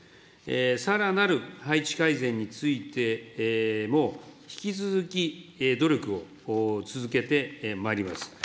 さらなる配置改善についても、引き続き努力を続けてまいります。